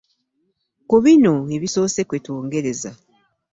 Ku bino ebisoose kwe twongereza.